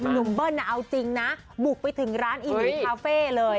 หนุ่มเบิ้ลเอาจริงนะบุกไปถึงร้านไอบิทัฟเฟ่เลย